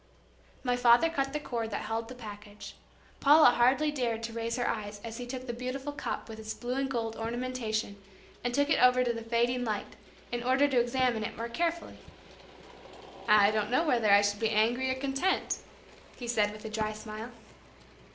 My father cut the cord that held the package. Paula hardly dared to raise her eyes, as he took the beautiful cup with its blue and gold ornamentation and took it over to the fading light, in order to examine it more carefully. "I don't know whether I should be angry or content," he said, with a dry smile.